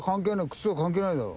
靴は関係ないだろ。